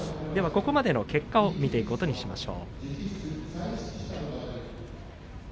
ここまでの結果を見ていくことにしましょう。